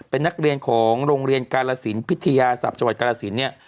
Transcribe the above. เป็นนักเรียนของโรงเรียนกาละศิลปิธิญาศัพท์จัวร์กาละศิลป์